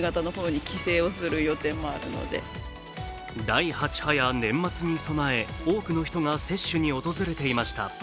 第８波や年末に備え多くの人が接種に訪れていました。